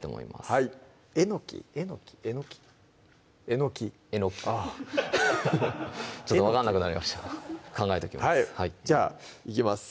えのきえのきあぁちょっと分かんなくなりました考えときますじゃあいきます